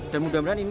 dan mudah mudahan ini